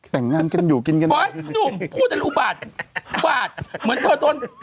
แต่งงานกันอยู่กินกันน่ะ